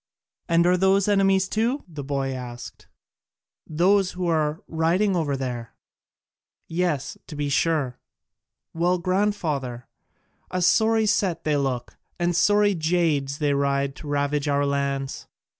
"And are those enemies too?" the boy asked, "those who are riding over there?" "Yes, to be sure." "Well, grandfather, a sorry set they look, and sorry jades they ride to ravage our lands!